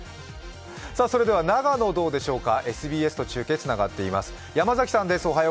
それでは長野、どうでしょうか。